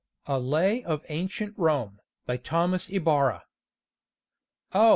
A LAY OF ANCIENT ROME BY THOMAS YBARRA Oh!